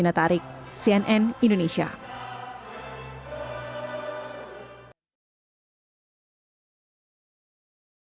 dalam dugaan kasus korupsi proyek pembangunan rumah sakit pendidikan khusus penyakit infeksi dan pariwisata